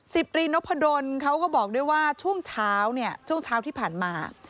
สิบรีนพดลเขาก็บอกด้วยว่าช่วงเช้าที่ผ่านมา